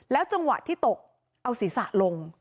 จังหวะที่ตกเอาศีรษะลง